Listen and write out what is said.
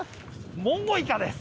モンゴウイカです。